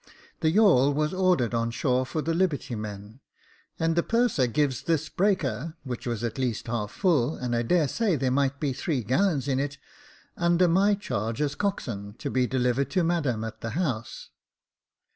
The yawl was ordered on shore for the liberty men, and the purser gives this breaker, which was at least half full, and I daresay there might be three gallons in it, under my charge as coxswain, to deliver to madam at the house.